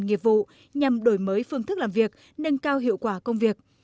nghiệp vụ nhằm đổi mới phương thức làm việc nâng cao hiệu quả công việc